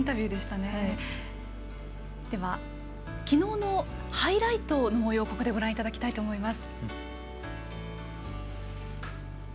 では、きのうのハイライトのもようをここでご覧いただきたいと思います。